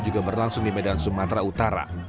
juga berlangsung di medan sumatera utara